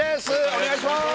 お願いします